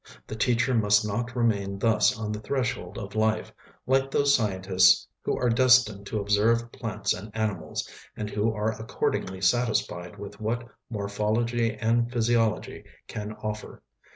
The teacher must not remain thus on the threshold of life, like those scientists who are destined to observe plants and animals, and who are accordingly satisfied with what morphology and physiology can offer.